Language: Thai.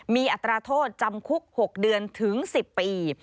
มีอัตราโทษจำคุก๖เดือนถึง๑๐ปี